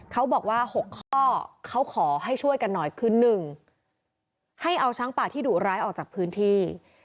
เขาบอกว่า๖ข้อเขาขอให้ช่วยกันหน่อยคือ๑ให้เอาช้างป่าที่ดุร้ายออกจากพื้นที่